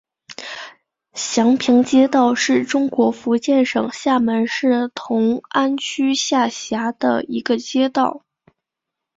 祥平街道是中国福建省厦门市同安区下辖的一个街道。